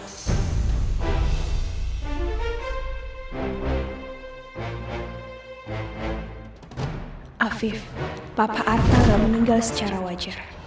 afid papa arta gak meninggal secara wajar